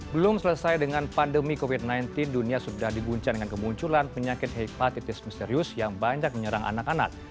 belum selesai dengan pandemi covid sembilan belas dunia sudah diguncang dengan kemunculan penyakit hepatitis misterius yang banyak menyerang anak anak